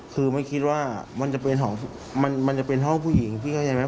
คือไม่คิดว่ามันจะเป็นห้องมันจะเป็นห้องผู้หญิงพี่เข้าใจไหม